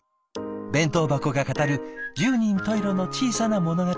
弁当箱が語る十人十色の小さな物語。